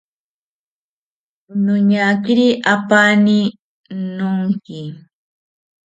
Noñakiri apaani nonki